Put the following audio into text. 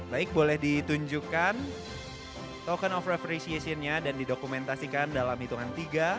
baik boleh ditunjukkan token of afrization nya dan didokumentasikan dalam hitungan tiga